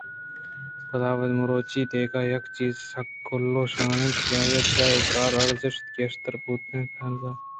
پدا مروچی دگہ یک چیزے ءَ آسک گل ءُوشان اَت ءُآئی ءِ دل ءَ اے کار ءِ ارزشت گیشتر بوتگ اَت کہ آہانزءِ دیوان اَت